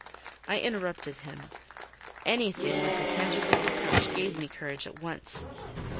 I interrupted him. Anything like a tangible reproach gave me courage at once.